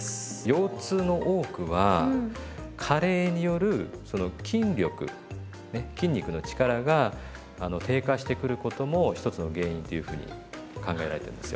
腰痛の多くは加齢によるその筋力ね筋肉の力が低下してくることも一つの原因っていうふうに考えられてるんですよ。